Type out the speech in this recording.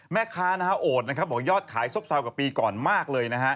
แม่ค้าโอดยอดขายซบซับกับปีก่อนมากเลย